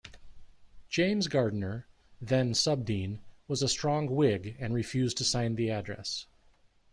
James Gardiner, then sub-dean, was a strong whig and refused to sign the address.